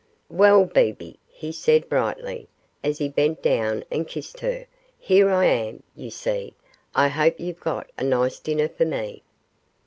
'Well, Bebe,' he said, brightly, as he bent down and kissed her, 'here I am, you see; I hope you've got a nice dinner for me?